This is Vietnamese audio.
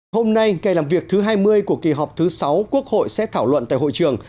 hôm nay ngày làm việc thứ hai mươi của kỳ họp thứ sáu quốc hội sẽ thảo luận tại hội trường